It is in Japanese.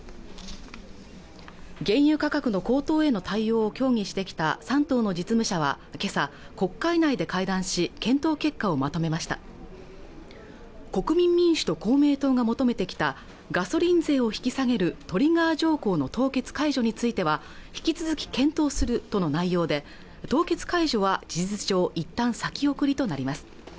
原油価格の高騰への対応を協議してきた３党の実務者はけさ国会内で会談し検討結果をまとめました国民民主党と公明党が求めてきたガソリン税を引き下げるトリガー条項の凍結解除については引き続き検討するとの内容で凍結解除は事実上いったん先送りとなります